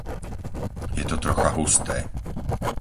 Je to trocha husté!